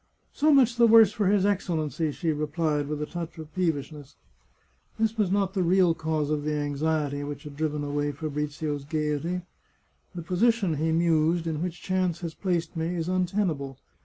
" So much the worse for his Excellency !" she replied with a touch of peevishness. This was not the real cause of the anxiety which had driven away Fabrizio's gaiety. The position," he mused, " in which chance has placed me is untenable.